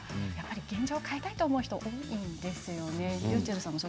現状を変えたいと思う人が多いんですね。